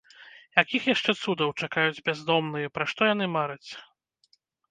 Якіх яшчэ цудаў чакаюць бяздомныя, пра што яны мараць?